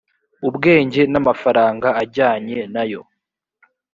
ubwenge n’amafaranga ajyanye nayo